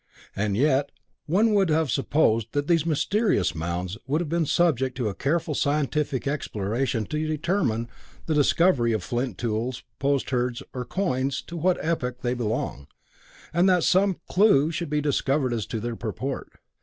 And yet, one would have supposed that these mysterious mounds would have been subjected to a careful scientific exploration to determine by the discovery of flint tools, potsherds, or coins to what epoch they belong, and that some clue should be discovered as to their purport.